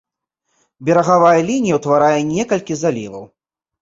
Берагавая лінія ўтварае некалькі заліваў.